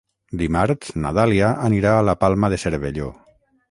Dimarts na Dàlia anirà a la Palma de Cervelló.